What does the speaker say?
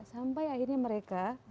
sampai akhirnya mereka